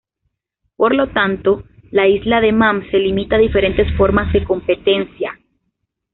Por lo tanto, la Isla de Man se limita a diferentes formas de competencia.